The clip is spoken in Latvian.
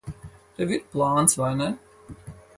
Tev ir plāns, vai ne?